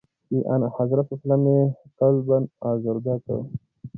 چي آنحضرت ص یې قلباً آزرده کړ.